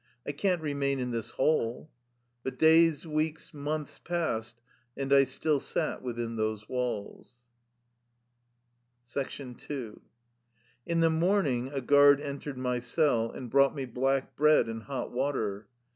" I can't remain in this hole." But days, weeks, months passed, and I still sat within those walls. II In the morning a guard entered my cell and brought me black bread and hot water.